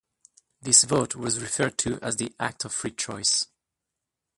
This vote was referred to as the 'Act of Free Choice'.